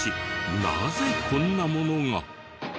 なぜこんなものが？